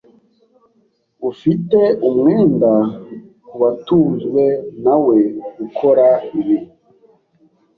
Ufite umwenda kubatunzwe nawe gukora ibi.